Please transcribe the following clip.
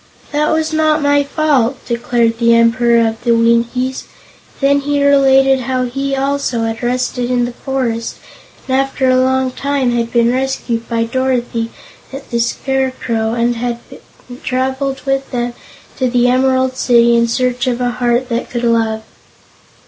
"That was not my fault," declared the Emperor of the Winkies, and then he related how he, also, had rusted in the forest and after a long time had been rescued by Dorothy and the Scarecrow and had traveled with them to the Emerald City in search of a heart that could love.